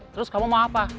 terus kamu mau apa